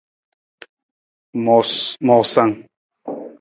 Moosang.